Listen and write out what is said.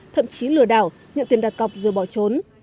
thậm chí lừa đảo nhận tiền đặt cọc rồi bỏ trốn